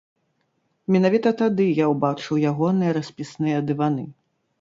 Менавіта тады я ўбачыў ягоныя распісныя дываны.